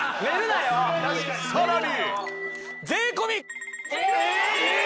さらに！